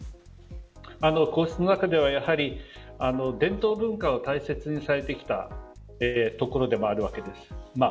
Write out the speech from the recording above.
皇室の中では伝統文化を大切にされてきたところでもあるわけです。